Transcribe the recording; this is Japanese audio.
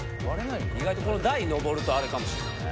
意外とこの台上るとあれかもしれないね。